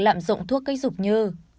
lạm dụng thuốc kích dục như